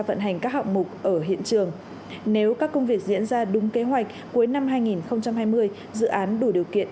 vận hành các hạng mục ở hiện trường nếu các công việc diễn ra đúng kế hoạch cuối năm hai nghìn hai mươi dự án đủ điều kiện